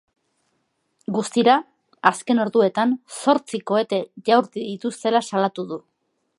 Guztira, azken orduetan zortzi kohete jaurti dituztela salatu du.